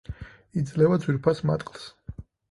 იძლევა ძვირფას მატყლს.